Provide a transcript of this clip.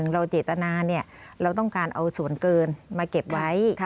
เราเจตนาเราต้องการเอาส่วนเกินมาเก็บไว้